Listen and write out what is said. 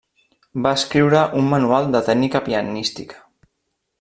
Va escriure un manual de tècnica pianística.